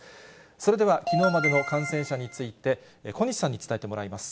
それではきのうまでの感染者について、小西さんに伝えてもらいます。